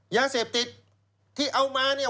ยาเสพติดที่เอามาเนี่ย